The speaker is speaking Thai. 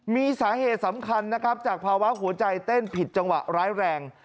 มีสาเหตุสำคัญนะครับจากภาวะหัวใจเต้นผิดจังหวะร้ายแรง